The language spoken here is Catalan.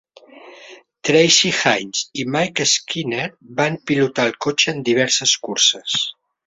Tracy Hines i Mike Skinner van pilotar el cotxe en diverses curses.